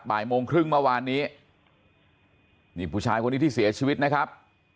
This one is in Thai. บ่ายโมงครึ่งเมื่อวานนี้นี่ผู้ชายคนนี้ที่เสียชีวิตนะครับ